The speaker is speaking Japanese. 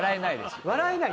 笑えない。